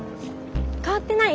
変わってない？